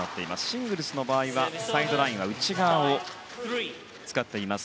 シングルスの場合はサイドラインは内側を使っています。